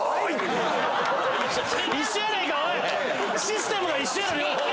システムが一緒やん両方！